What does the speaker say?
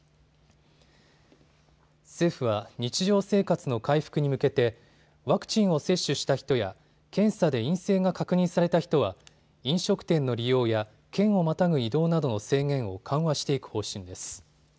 政府は日常生活の回復に向けてワクチンを接種した人や検査で陰性が確認された人は飲食店の利用や県をまたぐ移動などの制限を緩和していく方針です。